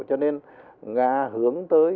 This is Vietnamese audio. cho nên nga hướng tới